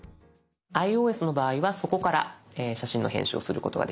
ｉＯＳの場合はそこから写真の編集をすることができます。